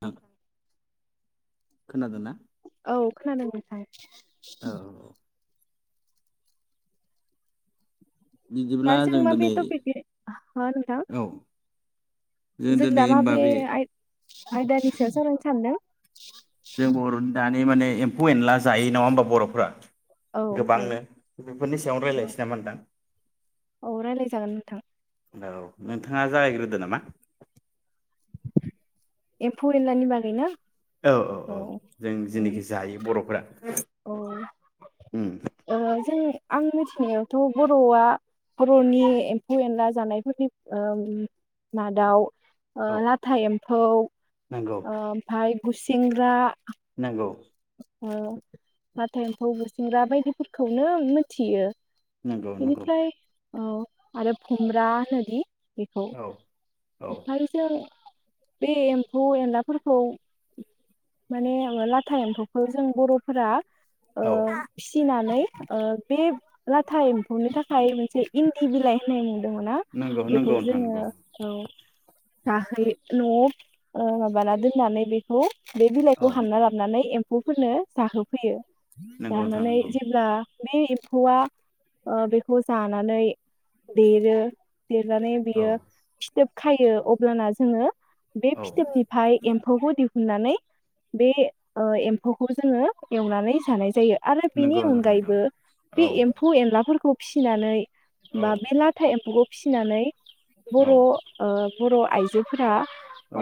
थां नोंथां खोनादो ना? औ खोनादों नोंथां। औ औ दा बिदिब्ला जों माबे दिनै टपिक हो नोंथां औ जों दिनै दा होमबा माबे बे आयदानि सायाव सावरायनो सानदों? जों बर' दानि माने एम्फौ एनला जायो नङा होमबा बर'फ्रा औ गोबांनो जायो बेफोरनि सायावनो रायलायनोसै नामा नोंथां। औ रायलायजागोन नोंथां। औ नोंथाङा जागायग्रोदो नामा। एम्फौ-एनलानि बागै ना? औ औ औ जों जेनिखि जायो बर'फोरा। औ उम। ओ जों आं मिथिनायावथ' बर'आ बर'नि एम्फौ-एनला जानायफोरनि ओ मादाव ओ औ लाथा एम्फौ ओ नंगौ ओमफाय गुसिंग्रा नंगौ। ओ लाथा एम्फौ गुसिंग्रा बायदिफोरखौनो मिथियो। नंगौ नंगौ। बेनिफ्राय औ आरो फुंग्रा होनोदि बेखौ औ औ ओमफाय जों बे एम्फौ-एनलाफोरखौ माने लाथा एम्फौ खौ जों बर'फोरा ओ औ फिसिना नै ओ बे लाथा एम्फौनि था खाय मोनसे इन्दि बिलाइ होननाय दङ' ना नंगौ बेखौ नंगौ नोंथां जोङो नंगौ औ जाहोयो न'आव ओ माबाना दोननानै बेखौ बे बिलाइखौ औ हानना लाबनानै एम फौफोरनो जाहोफैयो। नंगौ नोंथां जानानै नंगौ जेब्ला बे एम्फौआ ओ बेखौ जानानै देरो देरनानै औ बियो फिथोब खायो अब्लाना जोङो बे औ फिथोबनिफ्राय एम्फौखौ दि हुननानै बे ओ ए म्फौखौ जोङो एवनानै जानाय जायो। आरो बेनि नंगौ नंगौ नोंथां अनगायैबो बे औ एमफौ एनला फोरखौ फिसिनानै औ बा बे लाथा एमफौ फिसिनानै औ बर' ओ बर' आइजोफोरा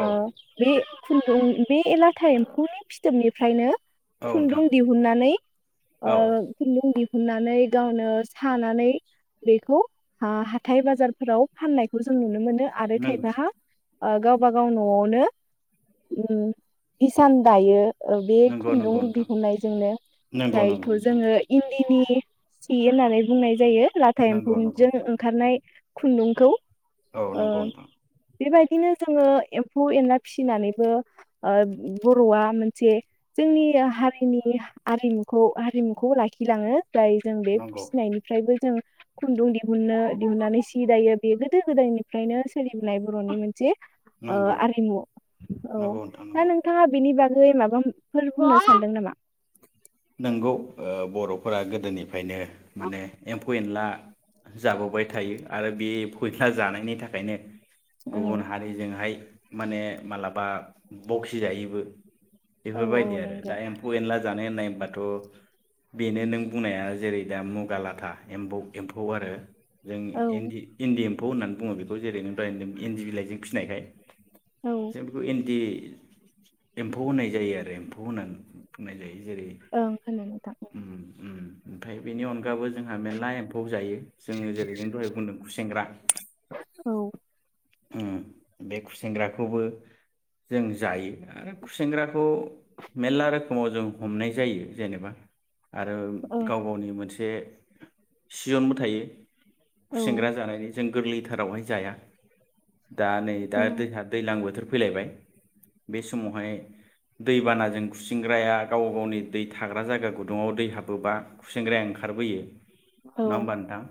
ओ औ बे फुनदों बे लाथा एम्फौनि फिथोब नि फ्रायनो औ नोंथां खुन्दुं दिहुननानै ओ औ खुन्दुं दिहुन न्नानै गावनो सानानै बेखौ हाथाय बाजारफोराव फाननायखौ जों नुनो मोनो। आरो नों खायबाहा ओ गावबा गाव न'आवनो उम हिसान दायो नंगौ नंगौ खुन्दुं नोंथां दिहुननायजोंनो नंगौ नंगौ जायखौ नोंथां जोङो इन्दिनि सि होननानै बुंनाय जायो लाथा नंगौ नंगौ एम्फौजों नोंथां ओंखारनाय खुन्दुं खौ औ नोंगौ नोंथां बेबायदिनो जोङो एम्फौ एनला फिसिनानैबो ओ बर'आ मोनसे जोंनि हारिनि आरिमुखौ हारिमुखौ लाखिलाङो फ्राय जों बे नंगौ फिसिनायनिफ्रायबो जों खुन्दुं दिहुननो दिहुननानै सि दायो बे गोदो गोदायनिफ्रायनो सोलिबोनाय बर'नि मोनसे ओ नंगौ आरिमु औ नंगौ नोंथां दा नंगौ नोंथाङा बेनि बागै ओय माबा फोर बुंनो सानदों नामा नंगौ ओ बर'फोरा गोदोनिफा खायनो माने एम्फौ एनला जाबावाय थायो आरो बे फयथला जानायनि थाखायनो औ गुबुन हारिजोंहाय माने मालाबा बखिजायोबो। औ बेफोरबायदि औ आरो दा नंगौ एम्फौ एनला जानाय नायबा दाथ' बेनो नों बुंनाया जेरै दा मुगा लाथा एम्बौ एम्फौ आरो जों औ एन्दि इन्दि ए म्फौ होननानै बुङो बेखौ जेरै नों दहाय होनदों इन्दि बिलाइजों फिनायखाय ओं जों बेखौ इन्दि एम्फौ होनपनाय जायो आरो एम्फौ होननानै बुंनाय जायो। जेरै ओं खोना [unintelligible] नोंथां। उम उम ओमफ्राय बेनि अनगाबो जोंहा मेरला एम्फौ जायो। जोङो जेरै नों दहाय बुंदों खुसेेंग्रा। ओं उम बे खुसेेंग्राखौबो जों जायो। आरो खुसेेंग्राखौ मेलला रोखोमाव जों हमनाय जायो। जेनेबा आरो गाव गावनि मोन बे सिजनबो थायो औ खुसेंग्रा जानायनि। जों गोरलैथारावहाय जाया। दा नै दा दैहा दैजलां बोथोर फैलायबाय बे समावहाय दैबानाजों गुसिंग्राया गाव गावनि दै थाग्रा जायगा गुदुङाव दै हाबोबा खुसेंग्राया ओंखारबोयो। औ नङा होमबा नोंथां?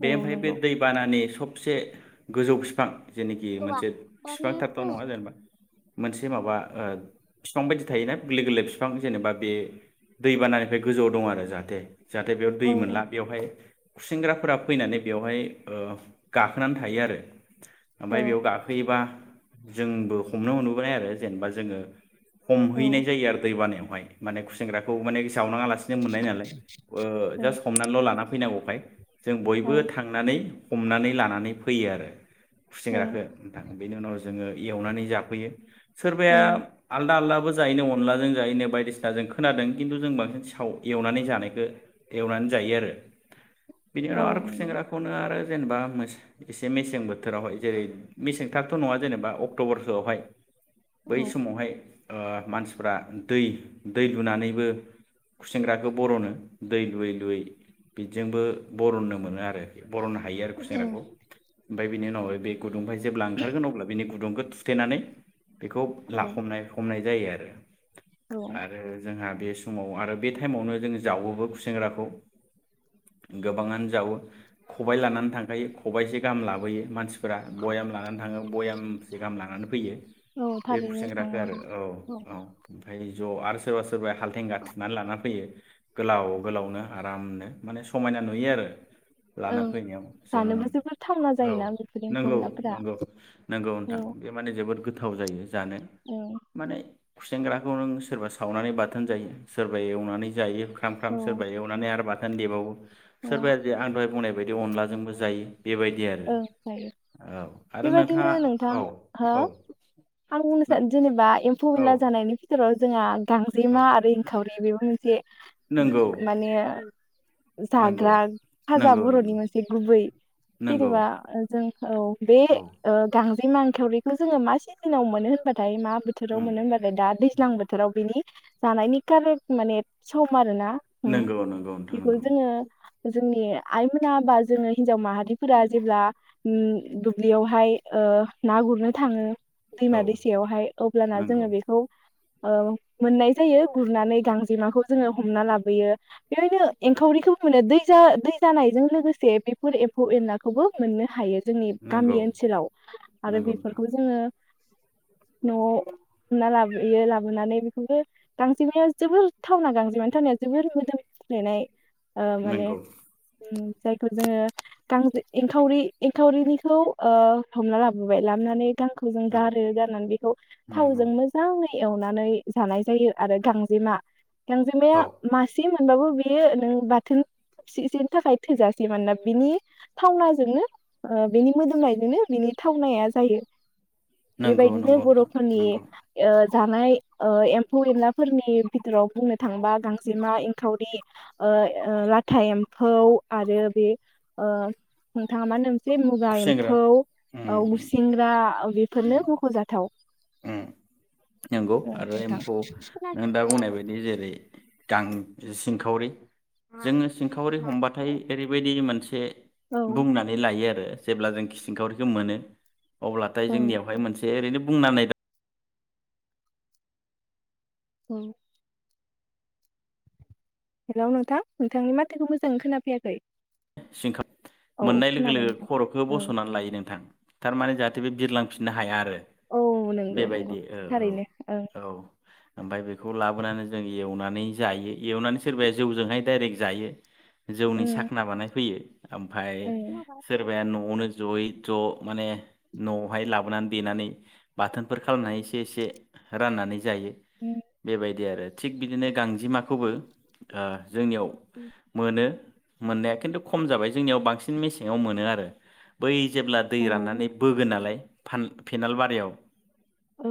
बे औ ओमफ्राय बे नंगौ दैबानानि थबसे गोजौ फिफां जेनिखि मोनसे बिफां थारथ' नङा जेनेबा मोनसे माबा ओ बिफां बायदि थायोना गोरलै गोरलै फिफां जेनेबा बे दैबानानिफ्राय गोजौआव दं आरो जाहाथे। जाहाथे बेयाव औ दै मोनला बेवहाय खुसेंग्राफोरा फैनानै बेवहाय ओ गाखोनानै थायो आरो। औ ओमफ्राय बेयाव गाखोयोबा जोंबो हमनो मोनबोबाय आरो जेनेबा जोङो हमहैनाय औ जायो आरो दैबानायावहाय। माने खु सेंग्राखौ माने सावनाङालासिनो मोनाय लानानै जाज हमनानैल' लाना फैनांगौखाय जों औ बयबो थांनानै हमनानै लानानै फैयो आरो। औ फुसिग्राखो नोंथां बेनि उनाव जोङो एवनानै जाफैयो। सोरबाया ओं आलदा-आलदा। जायैनो अनलाजों जायैनो बायदिसिना जों। खोनादों खिन्थु जों बांसिन साव एवनानै जानायखो एवनानै जायो आरो। बिनि औ उनाव आरो नंगौ खुसेेंग्राखौनो आरो जेनेबा एसे मेसें बोथोरावहाय जेरै मेसें थाबथ नङा जेनेबा अक्टबर फोरावहाय। औ बै समावहाय ओ मानसिफ्रा दै दै लुनानैबो खुसेंग्राखौ बरनो दै लुयै-लुयै बिजोंबो बरननो मोनो आरोखि। बरनो हायो आरो ओं खुसेेंग्राखौ। ओमफ्राय बिनि उनावहाय बे गुुदुंनिफ्राय जेब्ला ओंखारगोन अब्ला बिनि गुदुंखौ थुथेनानै बेखौ औ लाखनाय हमनाय जायो आरो। [unintelligible] औ आरो जोंहा बे समाव आरो बे टाइमावनो जों जावोबो गुसेेंग्राखौ गोबाङानो जावो खबायाइ लानानै थांखायो खबाइसे गाहाम लाबोयो मानसिफोरा बयाम लानानै थाङो बयामसे गाहाम लानानै फैयो। औ बे थारैनो नोंथां खुसेेंग्राखौ आरो ओं औ औ-औ। [unintelligible] ज आरो सोरबा-सोरबा सोरबाया हालथिंगा थुना लाना फैयो। गोलाव गोलावनो आरामनो माने समायना नुयो आरो। लाना ओं फैनायाव जों जानोबो जोबोद थावना औ जायोना बेफोर एम्फौ एनलाफोरा नंगौ-नंगौ-नंगौ औ नोंथां ओं बे माने जोबोद गो गोथाव जायो। जानो औ माने खुसेेंग्राखौ नों सोरबा सावनानै बाथोन जायो सोरबा एवनानै जायो। खाम-खाम सोरबा ओं एवनानै आरोबा बाथोन देबावो। सोरबाया जे आं दहाय बुंनाय बेबायदि अनलाजोंबो जायो। बेबायदि आरो ओ जायो औ आरो बेबायदिनो नोंथाङा नोंथां औ हो औ आं बुंनो नों सानो जेनेबा एम्फौ औ एनला जानायनि बिथुराव जोंहा औ गांजेमा आरो इनखावरि बेबो मोनसे नंगौ माने नंगौ जाग्रा फाजा नंगौ बर'नि नंगौ मोनसे गुबै नंगौ जेनेबा जोंखौ बे औ ओ गां जेमा एंखावरिखौ जोङो मा सिजनाव मोनो होनबाथाय मा बोथोराव उम मोनो होनबालाय दा दैज्लां बोथोराव बिनि जानायनि कारेक्ट माने सम आरो ना। नंगौ नंगौ नोंथां नंगौ। जोंनि आइमोना बा जोङो हिनजाव माहारि फोरा जेब्ला दुब्लियावहाय ओ ना गुरनो थाङो। दैमा औ दैसायावहाय अब्लाना नंगौ जोङो बेखौ ओ मोननाय जायो गुरनानै गांजेमाखौ जोङो हमना लाबोयो बेवनो एंखावरिखौबो मोनो दै दै जानायजों लोगोसे बेफोर ए म्फौ एनलाखौबो मोननो हायो। जोंनि नंगौ गामि ओनसोलाव आरो नंगौ नोंथां बेफोरखौ जोङो न'आव हमना लाबोयो लाबोनानै बेखौबो गांजेमाया जोबोर थावना गांजेमानि थावनाया जोबोर मोदोमफ्लेनाय। माने नंगौ जायखौ जोङो गांजे एंखावरि एंखावरिनिखौ हमना लाबोबाय लाबोनानै गांखौ जों औ गारो गारनानै बेखौ नंगौ थावजों मोजाङै एवनानै जानाय जायो आरो गांजेमा गांजेमाया औ मासे म मोनबाबो बेयो नों बाथोनसेसेनि थाखाय थोजासे मानोना बिनि थावनाजोंनो बेनि मोदोमनायजोंनो बिनि थावनाया जायो। नंगौ नंगौ बेबायदिनो नोंथां बर'फोरनि नंगौ ओ जानाय एम्फौ एनलाफोरनि बिथोराव बुंनो थाङोबा गांजेमा एंखावरि ओ लाथा एम्फौ आरो बे नोंथाङा मा होनदोंमोन? जे मुगा खुसेंग्रा एम्फौ उम उम गुसिंग्रा बेफोरनो मख'जाथाव। उम नंगौ ओं आरो नोंथां एम्फौ नों दा बुंनाय बायदि जेरै गां सिंखावरि जोङो सिंखावरि हमबाथाय ओरैबायदि मोनसे औ बुंनानै लायो आरो। जेब्ला जों खिसिंखावरिखौ मोनो। अब्लाथाय औ जोंनियावहाय मोनसे ओरैनो बुंनानै औ हेलौ नोंथां नोंथांनि माथोखौ मोजाङै खोनाफैयाखै? सिंखाव औ औ मोननाय लोगो खोनाबाय लोगो नोंथां खर'खौ औ बस'नानै लायो नोंथां। थारमाने जाहाथे बे बिरलांफिननो हाया आरो। औ नंगौ नंगौ बेबायदि ओ औ थारैनो ओं औ। ओमफ्राय बे खौ लाबोनानै जों एवना नै एवनानै सोरबाया जौ जोंहाय डाइरेक जायो। जौनि उम साखना बानाय यो ओमफाय ओं सोरबाया नआवनो जयै ज माने नआवहाय लाबोनानै देनानै बाथोनफोर खालामनानै एसे एसे राननानै। जायो बेबायदि आरो। थिग बिदिनो गांजेमाखौबो आ जोंनियाव मोनो। मोननाया खिन्थु खम जाबाय जोंनियाव बांसिन मेसेङाव मोनो आरो बै जेब्ला दै उम राननानै बोगोन नालाय फान फेनालबारियाव। औ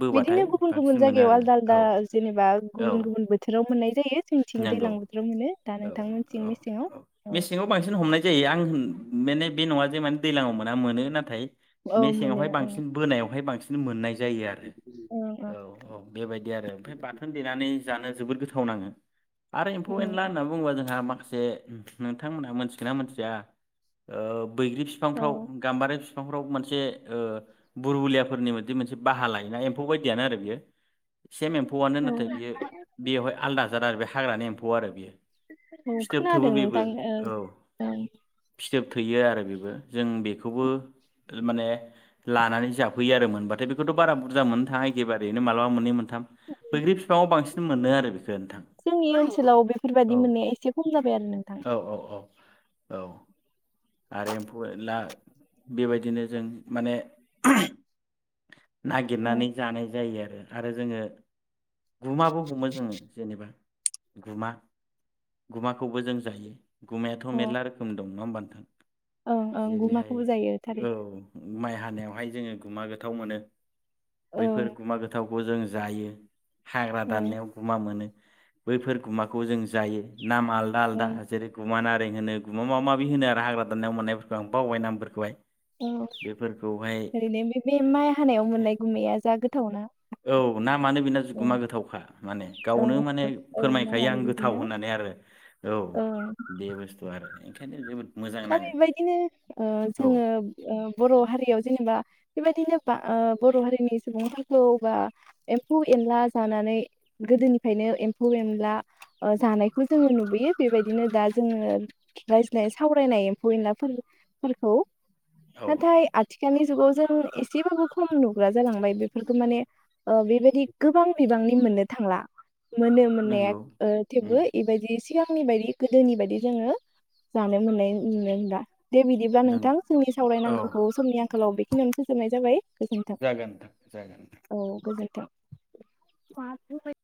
बोबाथाय बिदिनो गुबुन गुबुन बांसिन मोनो जायगायाव आरो आलदा औ आलदा जेनेबा औ गुबुन गुबुन बोथोराव मोननाय जायो। जोंथिं नंगौ दैलां बोथोराव मोनो दा औ नोंथांमोनथिं औ मेसेङाव औ मेसेंङाव बांसिन हमनाय जायो आं माने बे नङा जे माने दैलाङाव मोना मोनो नाथाय औ मोनो मेसेङावहाय ओं बांसिन बोनायावहाय बांसिन मोननाय जायो आरो। ओं ओं औ औ बेबायदि आरो ओमफाय बाथोन देनानै जानो जोबोद गोथाव नाङो। आरो एम्फौ उम एनला होनना बुङोबा जोंहा मा खासे नोंथांमोना मिथिगोना मोनथिया ओ बैग्रि औ बिफांफ्राव गाम्बारि फि बिफांफ्राव मोनसे ओ बुरबुलियाफोरनि मोन बिदि मोनसे बाहा लायोना एम्फौ बायदियानो आरो बियो सेम एम्फौआनो औ नाथाय बियो बेवहाय आलादा दा आरो बे हाग्रानि एम्फौ आरो बियो औ फिथोब थोबो खोनादों बेबो नोंथां ओ औ ओं [unintelligible] थोयो आरो बेबो जों बेखौबो माने लानानै जाफैयो आरो मोनबाथाय बेखौथ बारा बुरजा मोननो थाङा एखेबारेैनो मालाबा मोनै मोन थाम बैग्रि फिफाङाव बांसिन मोनो आरो बेखौ नोंथां। जोंनि ओनसोलाव औ बेफोरबादि मोननाया एसे खम जाबाय आरो नोंथां। औ औ औ औ आरो एम्फौ एला बेबायदिनो जों माने [unintelligible] अ नागिरनानै जानाय जायो आरो आरो जोङो गुमाबो हमो जोङो जेनेबा गुमा गुमाखौबो जों जायो। गुमायाथ' अ मेरला रोखोम दंङ नंङा होमबा? नोंथां ओं ओं जेरैहाय गुमाखौबो जायो औ थारैनो माइ नेवहाय जोङो गुमा गोथाव मोनो। औ बैफोर गुमा गोथावखौ जों जायो। हाग्रा औ दाननायाव गुमा मोनो। बैफोर गुमाखौ जों जायो। नामा आलदा आलदा ओं जेरै गुमाना होनो गुमा माबा माबि होनो आरो हाग्रा दाननायाव मोननायफोरखौ आं बावबाय नामफोरखौहाय अ बेफोरखौहाय ओरैनो बे बे माइ हानायाव मोननाय गुमाया जा गो थावना औ ना मानो बेना गुमा गोथावखा। माने गावनो औ माने औ फोरमायखायो नाङानो आं गोथाव बिदिना होननानै आरो औ ओं बे बुस्थु आरो ओंखायनो जोबोद मोजां दा नाङो बेबायदिनो ओ औ जोङो ओ बर' हारियाव जेनेबा बेबायदि [unintelligible] बर' हारिनि सुबुंफोरखौ बा एम्फौ एनला जानानै गोदोनिफ्रायनो एम्फौ एनला जानायखौ जोङो नुबोयो बेबायदिनो दा जोङो [unintelligible] सावरायनाय एम्फौ एनलाफोरखौ औ नाथाय आथि खालनि जुगाव जों एसेबाबो खम नुग्रा जालांबाय बेफोरखौ माने बेबायदि गोबां बिबांनि मोननो थांला। मोनो मोननाया नंगौ ओ थेवबो उम बेबायदि सिगांनि बायदि गोदोनि बायदि जोङो दानाय लुनाय नुनो मोनला। दे बिदिब्ला नों नोंथां जोंनि औ सावरायनांगौखौ समनि आंखालाव बे खिनियाव फोजोबनाय जाबाय। गोजोनथों जागोन नोंथां जागोन औ गोजोनथों। [unintelligible]